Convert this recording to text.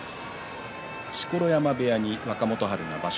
錣山部屋に若元春場所